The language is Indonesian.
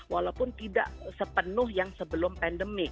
walaupun tidak sepenuh yang sebelum pandemi